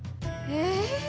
え。